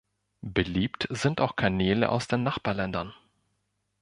Beliebt sind auch Kanäle aus den Nachbarländern.